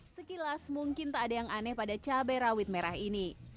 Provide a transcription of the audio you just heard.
sekilas mungkin tak ada yang aneh pada cabai rawit merah ini